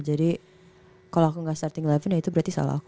jadi kalau aku gak starting eleven ya itu berarti salah aku